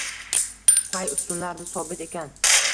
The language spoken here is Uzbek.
qay ustunlarda sobit ekan